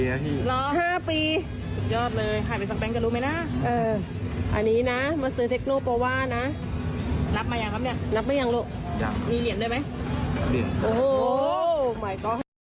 อยากจะได้เหลือเกินมือถือสายเกมเนี่ย